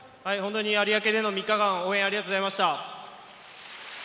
有明での３日間、応援ありがとうございました。